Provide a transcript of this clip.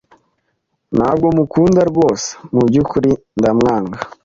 Ntabwo mukunda rwose, mubyukuri, ndamwanga.